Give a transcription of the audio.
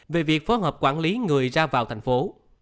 về việc phối hợp quản lý người ra vào thành phố